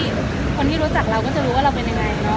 คนที่รู้จักเราก็จะรู้ว่าเราเป็นยังไงเนาะ